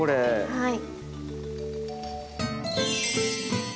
はい。